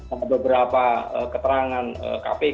ada beberapa keterangan kpk